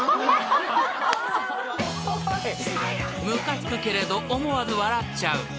［ムカつくけれど思わず笑っちゃう］